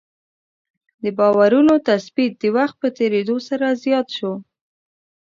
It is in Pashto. د باورونو تثبیت د وخت په تېرېدو سره زیات شو.